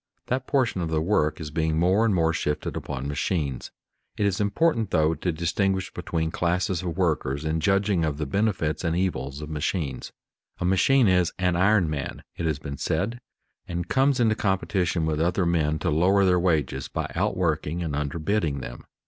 That portion of the work is being more and more shifted upon machines. It is important, though, to distinguish between classes of workers in judging of the benefits and evils of machines. A machine is "an iron man," it has been said, and comes into competition with other men to lower their wages by outworking and underbidding them.